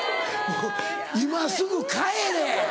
今すぐ帰れ！